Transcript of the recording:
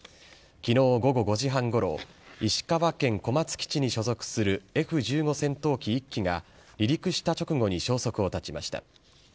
きのう午後５時半ごろ、石川県小松基地に所属するＦー１５戦闘機１機が離陸した直後に消息を絶ちました。